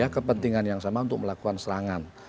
kepentingan yang sama untuk melakukan serangan